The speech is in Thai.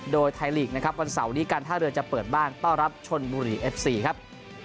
โดยไทยลีกนะครับวันเสาร์นี้การท่าเรือจะเปิดบ้านต้อนรับชนบุรีเอฟซีครับ